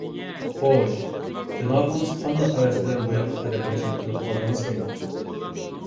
خوش، جانابىڭىز قانداق ھەۋەس بىلەن بۇياققا قەدەم تەشرىپ قىلىپ قالدىڭىزكىن؟